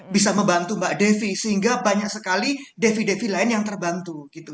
bisa membantu mbak devi sehingga banyak sekali devi devi lain yang terbantu gitu